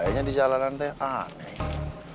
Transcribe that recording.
ini di jalanan teh aneh